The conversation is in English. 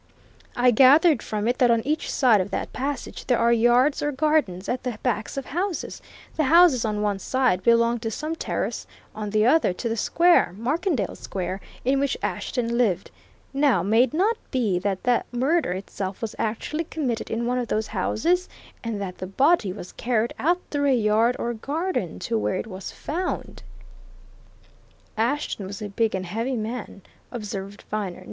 I gathered from it that on each side of that passage there are yards or gardens, at the backs of houses the houses on one side belong to some terrace; on the other to the square Markendale Square in which Ashton lived. Now, may it not be that the murder itself was actually committed in one of those houses, and that the body was carried out through a yard or garden to where it was found?" "Ashton was a big and heavy man," observed Viner.